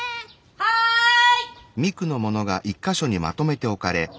はい！